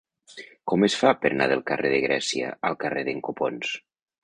Com es fa per anar del carrer de Grècia al carrer d'en Copons?